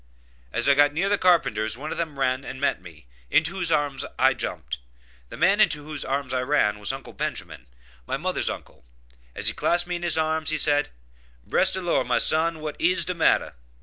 As I got near to the carpenters, one of them ran and met me, into whose arms I jumped. The man into whose arms I ran was Uncle Benjamin, my mother's uncle. As he clasped me in his arms, he said, "Bres de Lo, my son, wat is de matter?"